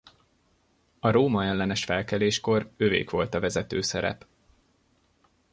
A Róma-ellenes felkeléskor övék volt a vezető szerep.